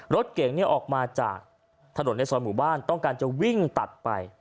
รถเก๋งออกมาจากถนนในซอยหมู่บ้านต้องการจะวิ่งตัดไป